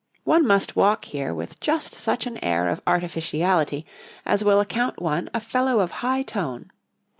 One must walk here with just such an air of artificiality as will account one a fellow of high tone.